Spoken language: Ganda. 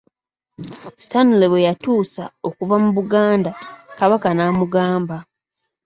Stanley bwe yatuusa okuva mu Buganda, Kabaka n'amugamba.